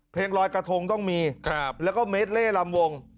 เพลงลอยกระทงต้องมีแล้วก็เม็ดเล่ลำวง